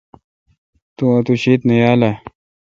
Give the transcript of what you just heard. تو اوتو شیت نہ یال اؘ۔